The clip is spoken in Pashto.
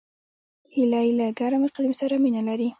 هیلۍ له ګرم اقلیم سره مینه لري